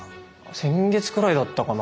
先月くらいだったかな。